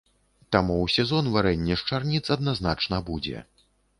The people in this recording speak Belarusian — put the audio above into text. Таму ў сезон варэнне з чарніц адназначна будзе.